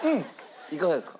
いかがですか？